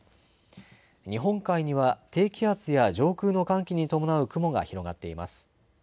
日本海には低気圧や上空の寒気に伴う雲が広がっています。